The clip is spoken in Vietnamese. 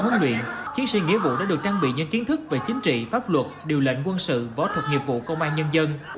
huấn luyện chiến sĩ nghĩa vụ đã được trang bị những kiến thức về chính trị pháp luật điều lệnh quân sự võ thuật nghiệp vụ công an nhân dân